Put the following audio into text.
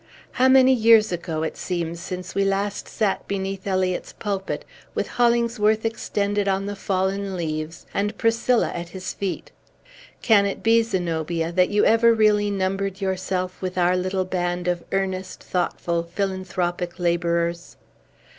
How many years ago it seems since we last sat beneath Eliot's pulpit, with Hollingsworth extended on the fallen leaves, and Priscilla at his feet! Can it be, Zenobia, that you ever really numbered yourself with our little band of earnest, thoughtful, philanthropic laborers?"